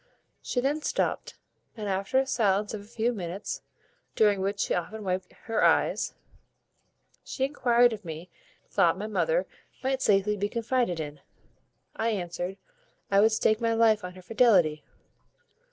She then stopt, and after a silence of a few minutes, during which she often wiped her eyes, she enquired of me if I thought my mother might safely be confided in. I answered, I would stake my life on her fidelity.